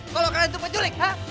kalau kalian tuh penjurik ha